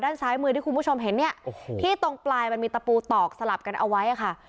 ซ้ายมือที่คุณผู้ชมเห็นเนี่ยโอ้โหที่ตรงปลายมันมีตะปูตอกสลับกันเอาไว้ค่ะ